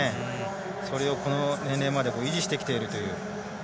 それを、この年齢まで維持してきているという。